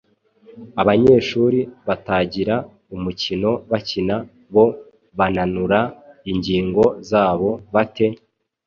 Abanyeshuri batagira umukino bakina, bo bananura ingingo zabo bate?